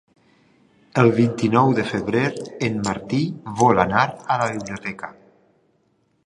El vint-i-nou de febrer en Martí vol anar a la biblioteca.